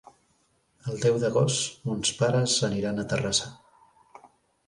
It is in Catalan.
El deu d'agost mons pares aniran a Terrassa.